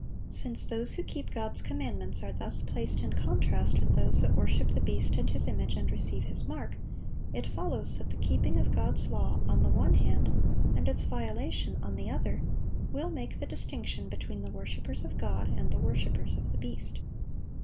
Since those who keep God's commandments are thus placed in contrast with those that worship the beast and his image and receive his mark, it follows that the keeping of God's law, on the one hand, and its violation, on the other, will make the distinction between the worshipers of God and the worshipers of the beast.